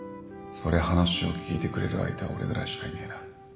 そりゃ話を聞いてくれる相手は俺ぐらいしかいねえな。